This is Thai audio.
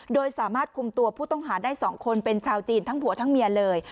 โดยสามารถคุมตัวผู้ต้องหาได้๒คนเป็นชาวจีนทั้งผัวทั้งเมียเลย